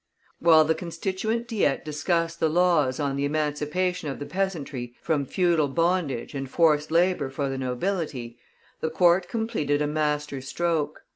While the Constituent Diet discussed the laws on the emancipation of the peasantry from feudal bondage and forced labor for the nobility, the Court completed a master stroke.